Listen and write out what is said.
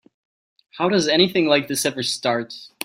How does anything like this ever start?